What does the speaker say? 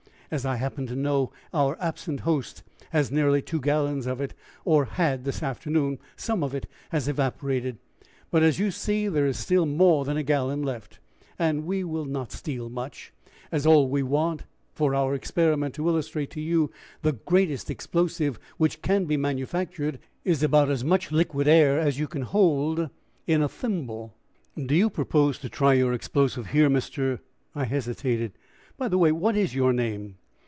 As I happen to know, our absent host has nearly two gallons of it, or had this afternoon; some of it has evaporated, but, as you see, there is still more than a gallon left, and we will not steal much, as all we want for our experiment to illustrate to you the greatest explosive which can be manufactured is about as much liquid air as you can hold in a thimble." "Do you propose to try your explosive here, Mr." I hesitated. "By the way, what is your name?"